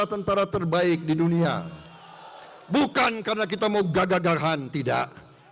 kita perlu intelijens yang unggul dan jujur